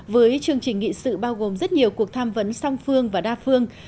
với chương trình nghị sự bao gồm rất nhiều cuộc tham vấn song phương và đa phương